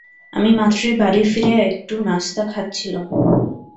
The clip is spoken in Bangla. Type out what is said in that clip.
আমি মাত্রই বাড়ি ফিরে একটু নাস্তা খাচ্ছিলাম।